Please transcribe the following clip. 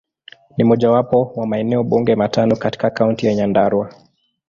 Ni mojawapo wa maeneo bunge matano katika Kaunti ya Nyandarua.